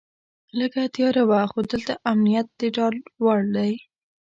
لږه تیاره وه خو دلته امنیت د ډاډ وړ دی.